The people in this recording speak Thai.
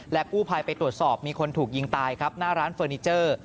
กู้ภัยไปตรวจสอบมีคนถูกยิงตายครับหน้าร้านเฟอร์นิเจอร์